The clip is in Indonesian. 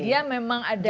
dia memang ada